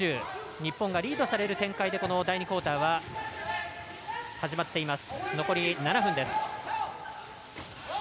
日本がリードされる展開で第２クオーターは始まっています。